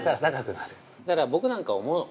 だから、僕なんかは思う。